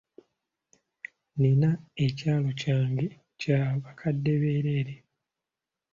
Nina ekyalo kyange kya bakadde bereere.